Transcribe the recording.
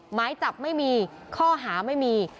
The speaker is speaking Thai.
หมายจับไม่มีข้อหาไม่มี